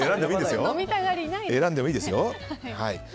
選んでもいいですよ。